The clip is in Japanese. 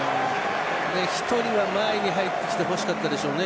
１人は前に入ってきてほしかったでしょうね。